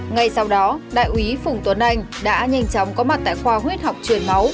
ngay sau đó đại úy phùng tuấn anh đã nhanh chóng có mặt tại khoa huyết học truyền máu